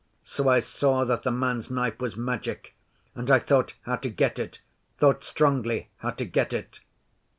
So I saw that the man's knife was magic, and I thought how to get it, thought strongly how to get it.